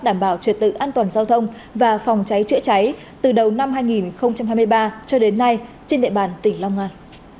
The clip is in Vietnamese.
đảm bảo trật tự an toàn giao thông và phòng cháy chữa cháy từ đầu năm hai nghìn hai mươi ba cho đến nay trên địa bàn tỉnh long an